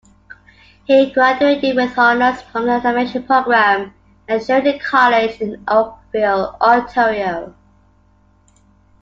He graduated with honours from the animation program at Sheridan College in Oakville, Ontario.